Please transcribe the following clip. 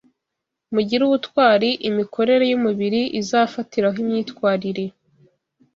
Mugire Ubutwari, Imikorere y’Umubiri Izafatiraho Imyitwarire